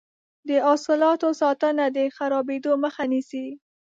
د حاصلاتو ساتنه د خرابیدو مخه نیسي.